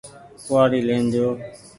ڪوُ وآڙي لين جو ۔